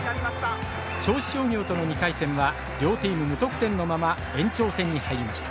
銚子商業との２回戦は、両チーム無得点のまま延長戦に入りました。